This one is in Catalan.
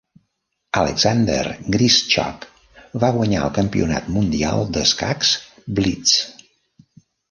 Alexander Grischuk va guanyar el Campionat Mundial d'escacs Blitz.